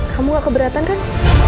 kamu gak keberatan kan